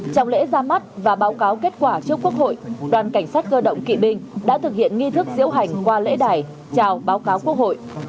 trong lễ ra mắt và báo cáo kết quả trước quốc hội đoàn cảnh sát cơ động kỵ binh đã thực hiện nghi thức diễu hành qua lễ đài chào báo cáo quốc hội